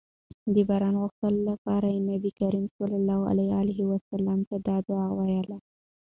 د باران غوښتلو لپاره نبي کريم صلی الله علیه وسلم دا دعاء ويلي